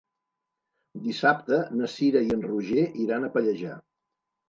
Dissabte na Cira i en Roger iran a Pallejà.